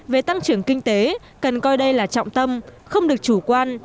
về tăng trưởng kinh tế cần coi đây là trọng tâm không được chủ quan